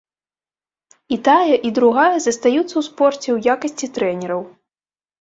І тая, і другая застаюцца ў спорце ў якасці трэнераў.